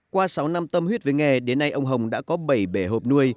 qua sáu năm tâm huyết với nghề đến nay ông hồng đã có bảy bể hộp nuôi